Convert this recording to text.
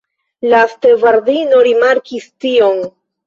La stevardino rimarkis tion.